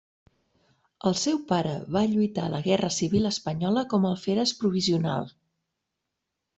El seu pare va lluitar a la guerra civil espanyola com a alferes provisional.